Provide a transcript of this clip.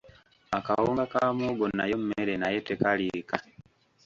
Akawunga ka muwogo nayo mmere naye tekaliika.